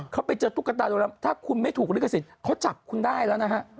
เขาไปเจอตุ๊กตาโรงแรมถ้าคุณไม่ถูกลิขสิทธิ์เขาจับคุณได้แล้วนะฮะ